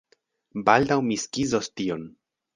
Baldaŭ mi skizos tion!